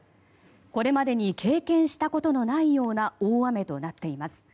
これまでに経験したことのないような大雨となっています。